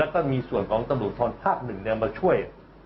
ก็มีส่วนของตำรวจทรณป์ภาพ๑มาช่วย